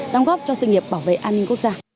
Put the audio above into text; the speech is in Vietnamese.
đóng góp cho sự nghiệp bảo vệ an ninh quốc gia